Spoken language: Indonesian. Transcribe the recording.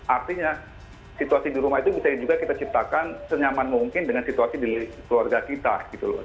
artinya situasi di rumah itu bisa juga kita ciptakan senyaman mungkin dengan situasi di keluarga kita gitu loh